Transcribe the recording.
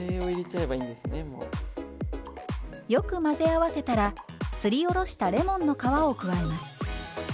よく混ぜ合わせたらすりおろしたレモンの皮を加えます。